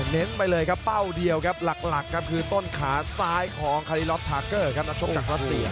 เน้นไปเลยครับเป้าเดียวครับหลักครับคือต้นขาซ้ายของคารีลอฟทาร์เกอร์ครับ